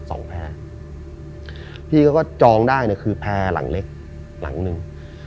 แพร่พี่เขาก็จองได้เนี่ยคือแพร่หลังเล็กหลังหนึ่ง